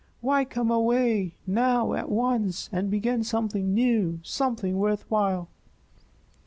Why come away, now, at once, and begin something new, something worth while?"